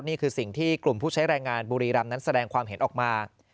นี่คือสิ่งที่กลุ่มผู้ใช้แรงงานบุรีรำนั้นแสดงความเห็นออกมา